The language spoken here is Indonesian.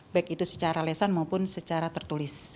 baik itu secara lesan maupun secara tertulis